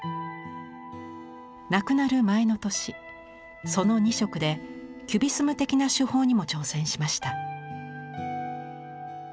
亡くなる前の年その２色でキュビスム的な手法にも挑戦しました。